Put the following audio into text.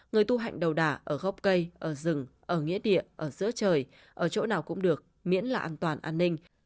người tu hạnh đầu đà ở gốc cây ở rừng ở nghĩa địa ở giữa trời ở chỗ nào cũng được miễn là an toàn an ninh